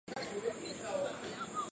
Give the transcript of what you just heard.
嫁钱塘贡士丁睿为妻。